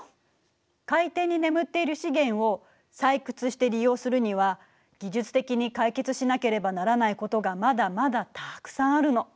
海底に眠っている資源を採掘して利用するには技術的に解決しなければならないことがまだまだたくさんあるの。